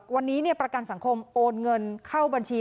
วันนี้ประกันสังคมโอนเงินเข้าบัญชี